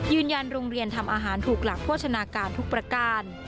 โรงเรียนทำอาหารถูกหลักโภชนาการทุกประการ